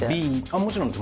もちろんです。